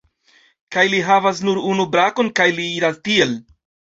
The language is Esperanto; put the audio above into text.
Kaj li havas nur unu brakon, kaj li iras tiel